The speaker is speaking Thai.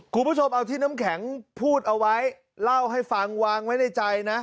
คุณผู้ชมเอาที่น้ำแข็งพูดเอาไว้เล่าให้ฟังวางไว้ในใจนะ